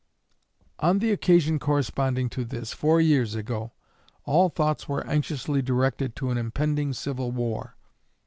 On the occasion corresponding to this, four years ago, all thoughts were anxiously directed to an impending civil war.